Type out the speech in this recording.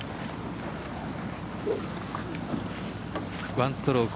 １ストローク